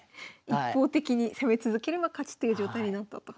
一方的に攻め続ければ勝ちっていう状態になったと。